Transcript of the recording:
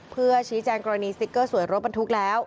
เพื่อชี้แจงกรณีสติ๊กเกอร์สวยรถบรรทุกแล้ว